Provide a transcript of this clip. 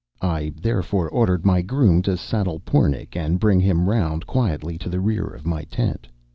I therefore ordered my groom to saddle Pornic and bring him round quietly to the rear of my tent.